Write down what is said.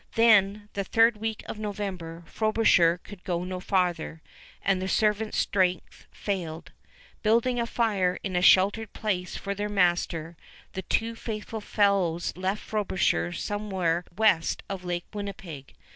Then, the third week of November, Frobisher could go no farther, and the servants' strength failed. Building a fire in a sheltered place for their master, the two faithful fellows left Frobisher somewhere west of Lake Winnipeg.